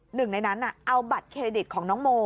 หนึ่งในนั้นเอาบัตรเครดิตของน้องโม